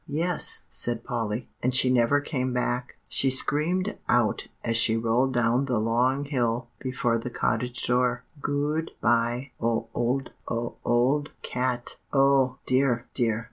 "Yes," said Polly; "and she never came back. She screamed out as she rolled down the long hill before the cottage door, 'Goo d by o old o o ld cat.'" "Oh, dear, dear!"